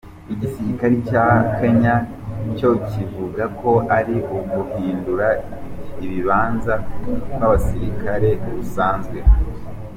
Igisirikare ca Kenya co kivuga ko ari uguhindura ibibanza kw'abasirikare gusanzwe.